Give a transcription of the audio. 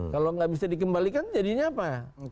kalau nggak bisa dikembalikan jadinya apa